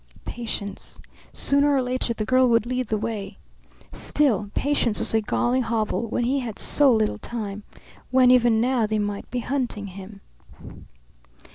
Patience. Sooner or later the girl would lead the way. Still, patience was a galling hobble when he had so little time, when even now they might be hunting him.